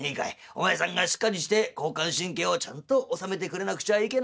お前さんがしっかりして交感神経をちゃんと収めてくれなくちゃいけないよ」。